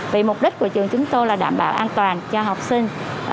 vì mục đích của trường chúng tôi là đảm bảo an toàn cho học sinh